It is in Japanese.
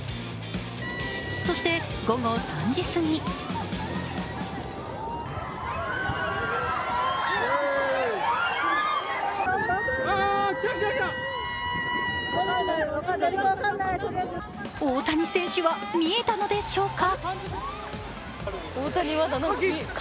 そして、午後３時すぎ大谷選手は見えたのでしょうか？